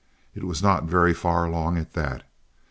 It was not very far along, at that.